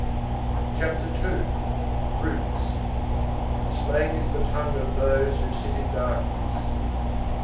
CHAPTER II—ROOTS Slang is the tongue of those who sit in darkness.